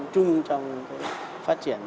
trung trong phát triển